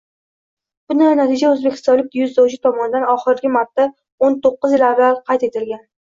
Bunday natija o‘zbekistonlik dzyudochi tomonidan oxirgi martato´qqizyil avval qayd etilgan edi